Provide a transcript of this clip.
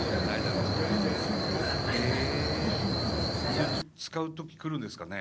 それって使う時来るんですかね？